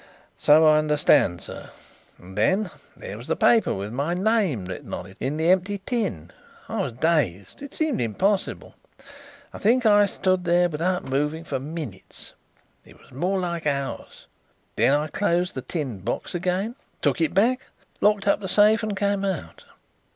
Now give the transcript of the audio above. "So I understand, sir. And, then, there was the paper with my name written on it in the empty tin. I was dazed; it seemed impossible. I think I stood there without moving for minutes it was more like hours. Then I closed the tin box again, took it back, locked up the safe and came out."